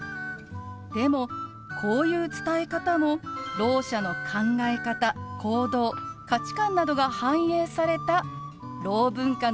でもこういう伝え方もろう者の考え方・行動・価値観などが反映されたろう文化の一つなんですよ。